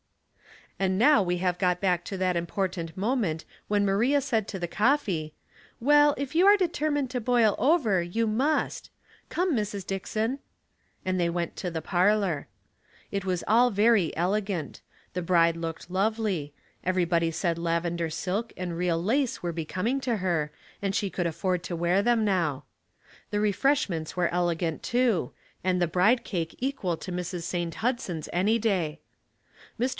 " And now we have got back to that important moment when Maria said to the coffee, " Well, if you are determined to boil over, you must. Come, Mrs. Dickson." And they went to the parlor. It was all very elegant ; the bride looked lovely ; everybody said lavender silk and real lace were becoming to her, and she could afford to wear them now. The refreshments were elegant, too, and the bride cake equal to Mrs. St. Hudson's any day. Mr.